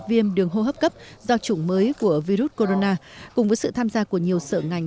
viêm đường hô hấp cấp do chủng mới của virus corona cùng với sự tham gia của nhiều sở ngành